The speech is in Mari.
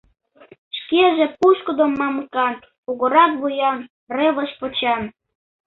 Шкеже пушкыдо мамыкан, кугурак вуян, рывыж почан.